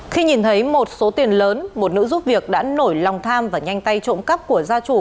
khi nhìn thấy một số tiền lớn một nữ giúp việc đã nổi lòng tham và nhanh tay trộm cắp của gia chủ